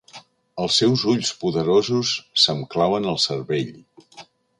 Els seus ulls poderosos se'm claven al cervell.